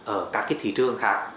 ở các cái thị trường khác